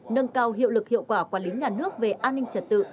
nâng cao hiệu lực hiệu quả quản lý nhà nước về an ninh trật tự